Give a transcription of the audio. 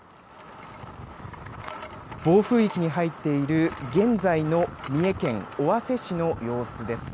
暴風域に入っている現在の三重県尾鷲市の様子です。